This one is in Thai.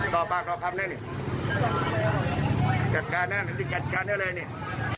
ต่อปากรอบคำนั้นจัดการนั้นจะจัดการอะไร